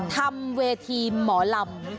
ทำเวทีหมอลำ